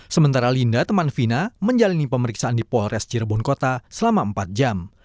sementara linda teman vina menjalani pemeriksaan di polres cirebon kota selama empat jam